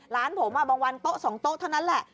ร้านผมบางวันโต๊ะ๒โต๊ะเท่านั้นแหละ